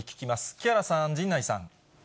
木原さん、陣内さん。